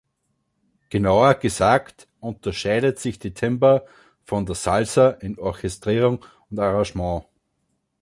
Genauer gesagt unterscheidet sich die Timba von der Salsa in Orchestrierung und Arrangement.